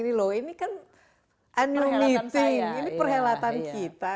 ini loh ini kan annual meeting ini perhelatan kita